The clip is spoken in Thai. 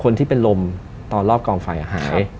คนที่เป็นลมตอนรอบกองไฟหาย